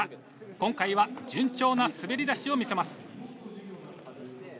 今回は順調な滑り出しを見せます。